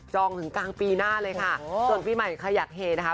จองถึงกลางปีหน้าเลยค่ะโอ้โหส่วนพี่ใหม่ขยักเฮนะฮะ